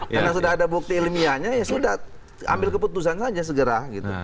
karena sudah ada bukti ilmiahnya ya sudah ambil keputusan saja segera gitu